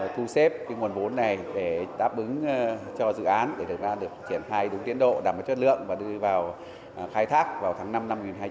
thu xếp cái nguồn vốn này để táp ứng cho dự án để thực ra được triển khai đúng tiến độ đảm bảo chất lượng và đưa vào khai thác vào tháng năm năm hai nghìn một mươi tám